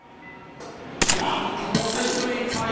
インコース、低めいっぱい。